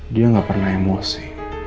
dia gak pernah emosi